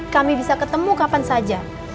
kami bisa ketemu kapan saja